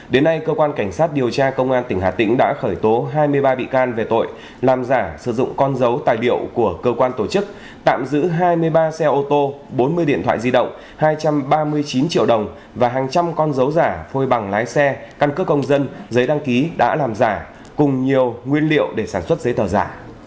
đến nay cơ quan cảnh sát điều tra công an tỉnh hà tĩnh đã khởi tố hai mươi ba bị can về tội làm giả sử dụng con dấu tài biểu của cơ quan tổ chức tạm giữ hai mươi ba xe ô tô bốn mươi điện thoại di động hai trăm ba mươi chín triệu đồng và hàng trăm con dấu giả phôi bằng lái xe căn cước công dân giấy đăng ký đã làm giả cùng nhiều nguyên liệu để sản xuất giấy tờ giả